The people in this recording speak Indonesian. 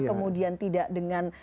kemudian tidak dengan